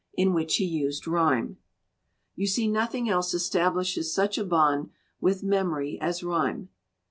in which he used rhyme. "You see, nothing else establishes such a bond with memory as rhyme.